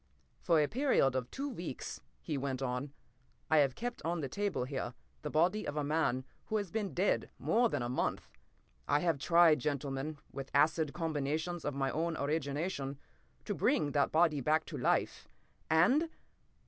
p> "For a period of two weeks," he went on, "I have kept, on the table here, the body of a man who has been dead more than a month. I have tried, gentlemen, with acid combinations of my own origination, to bring that body back to life. And